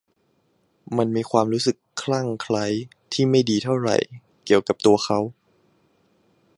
มันมีความรู้สึกคลั่งไคล้ที่ไม่ดีเท่าไหร่เกี่ยวกับตัวเขา